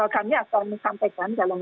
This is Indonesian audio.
kami akan menyampaikan dalam